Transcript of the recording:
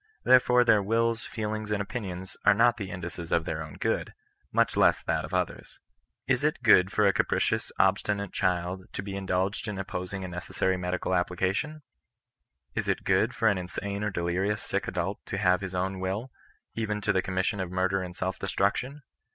There fore their wills, feelings, and opinions are not the indices of their own good — much less that of others. Is it good for a capricious obstinate child to be indulged in oppos ing a necessary medical application t Is it good for an insane or delirious sick adidt to have his own wiU, even to the commission of murder and self destruction